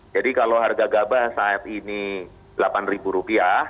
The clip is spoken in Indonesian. jadi kalau harga gabah saat ini rp delapan